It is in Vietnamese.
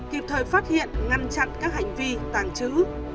kịp thời phát hiện ngăn chặn các hành vi tàng trữ